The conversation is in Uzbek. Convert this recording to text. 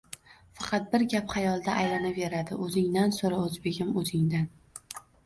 Faqat bir gap xayolda aylanaveradi o`zingdan so`ra, o`zbegim, o`zingdan